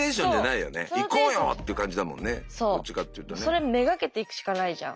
それ目がけて行くしかないじゃん。